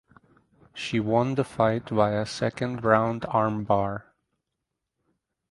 She won the fight via second round armbar.